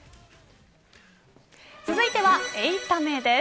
続いては８タメです。